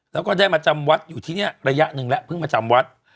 แล้วก็ได้มาจำวัดอยู่ที่นี่ระยะหนึ่งแล้วเพิ่งมาจำวัด